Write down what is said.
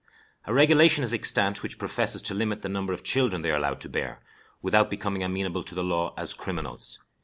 A regulation is extant which professes to limit the number of children they are allowed to bear, without becoming amenable to the law as criminals.